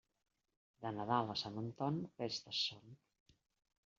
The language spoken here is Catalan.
De Nadal a Sant Anton, festes són.